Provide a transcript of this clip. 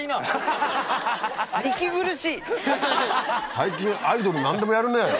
最近アイドル何でもやるね。